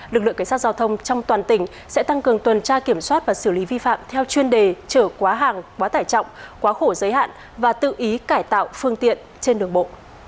lực lượng cảnh sát giao thông trong toàn tỉnh sẽ tăng cường tuần tra kiểm soát và xử lý vi phạm theo chuyên đề trở quá hàng quá tải trọng quá khổ giới hạn và tự ý cải tạo phương tiện trên đường bộ